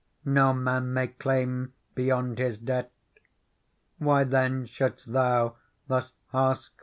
No man may claim beyond his debt. Why then should'st thou thus ask for more